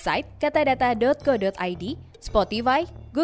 saya berharap anda mencoba untuk berkembang